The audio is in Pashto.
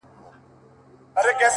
دا مي سوگند دی ـ